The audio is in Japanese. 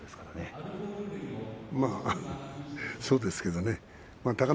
まあ、そうですけどね。